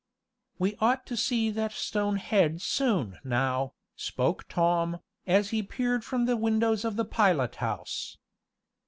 "We ought to see that stone head soon now," spoke Tom, as he peered from the windows of the pilot house.